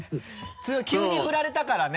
急に振られたからね